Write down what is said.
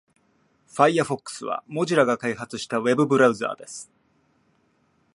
Firefox は Mozilla が開発したウェブブラウザーです。